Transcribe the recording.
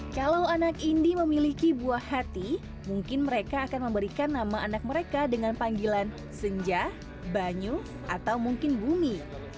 kalau anak indi memiliki buah hati mungkin mereka akan memberikan nama anak mereka dengan panggilan senja banyu atau mungkin bumi